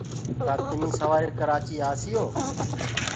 ڪآ تميٚ سواري ڪرآچيٚ آسيو۔